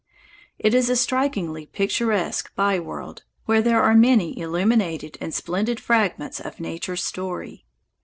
It is a strikingly picturesque by world, where there are many illuminated and splendid fragments of Nature's story.